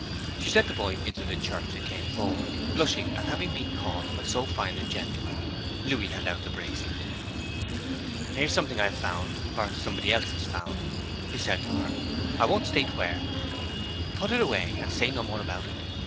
She sent the boy into the church, and came forward, blushing at having been called by so fine a gentleman. Louis held out the bracelet. 'Here is something I have found, or somebody else has found,' he said to her. 'I won't state where. Put it away, and say no more about it.